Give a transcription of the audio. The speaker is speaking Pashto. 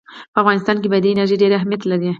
په افغانستان کې بادي انرژي ډېر اهمیت لري.